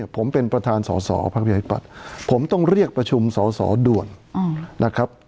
ผมเป็นประธานสอสอภักดิ์ประชาธิปัตย์ผมต้องเรียกประชุมสอสอด่วนนะครับ